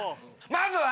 まずは。